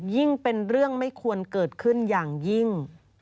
เป็นเรื่องไม่ควรเกิดขึ้นอย่างยิ่ง